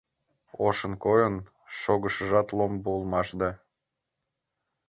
Ошын койын шогышыжат ломбо улмаш да